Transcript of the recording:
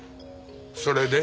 それで？